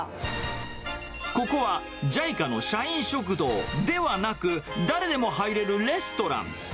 ここはＪＩＣＡの社員食堂ではなく、誰でも入れるレストラン。